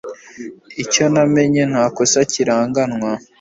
icyo namenye nta kosa kiranganwa